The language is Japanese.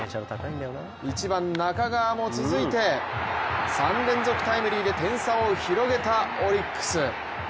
１番・中川も続いて３連続タイムリーで点差を広げたオリックス。